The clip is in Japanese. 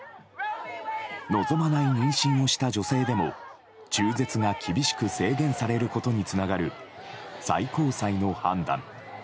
望まない妊娠をした女性でも中絶が厳しく制限されることにつながる最高裁の判断。